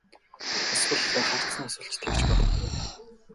Эсвэл хардсанаас болж тэгж бодогдоно уу?